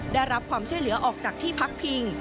ได้รับความช่วยเหลือออกจากที่พักพิง